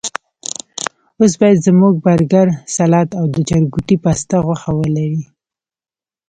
اوس باید زموږ برګر، سلاد او د چرګوټي پسته غوښه ولري.